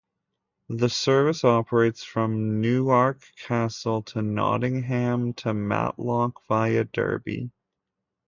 The service operates from Newark Castle to Nottingham to Matlock via Derby.